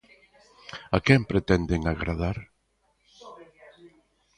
A quen pretenden agradar?